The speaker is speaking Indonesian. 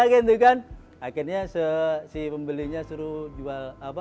akhirnya si pembelinya suruh jual apa